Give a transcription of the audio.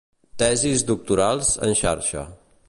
Tesis Doctorals en Xarxa.